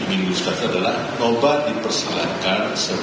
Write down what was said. sebelumnya surat edaran terkait hak siar piala asia u dua puluh